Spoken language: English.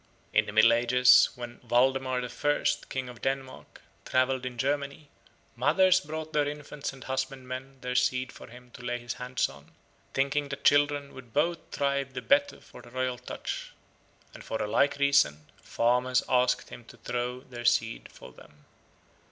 In the Middle Ages, when Waldemar I., King of Denmark, travelled in Germany, mothers brought their infants and husbandmen their seed for him to lay his hands on, thinking that children would both thrive the better for the royal touch, and for a like reason farmers asked him to throw the seed for them.